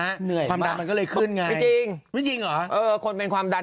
เหนื่อยความดันมันก็เลยขึ้นไงไม่จริงไม่จริงเหรอเออคนเป็นความดัน